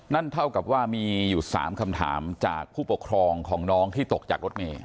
นั่นเท่ากับว่ามีอยู่๓คำถามจากผู้ปกครองของน้องที่ตกจากรถเมย์